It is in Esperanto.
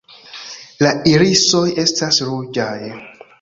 La irisoj estas ruĝaj.